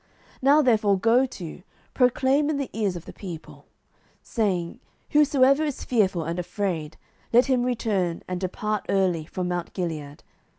07:007:003 Now therefore go to, proclaim in the ears of the people, saying, Whosoever is fearful and afraid, let him return and depart early from mount Gilead.